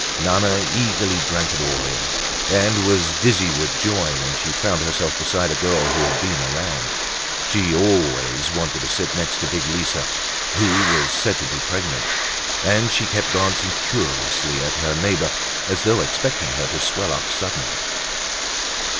Nana eagerly drank it all in and was dizzy with joy when she found herself beside a girl who had been around. She always wanted to sit next to big Lisa, who was said to be pregnant, and she kept glancing curiously at her neighbor as though expecting her to swell up suddenly.